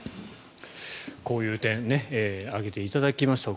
こういう点挙げていただきました。